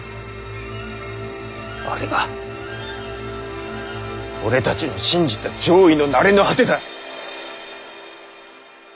あれが俺たちの信じた攘夷の成れの果てだ。